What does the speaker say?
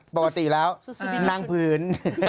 ปกติแล้วนั่งพื้น